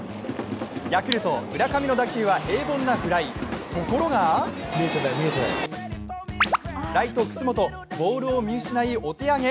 ヤクルト・村上の打球は平凡なフライ、ところがライト・楠本、ボールを見失いお手上げ。